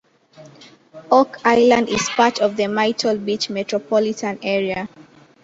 Oak Island is part of the Myrtle Beach metropolitan area.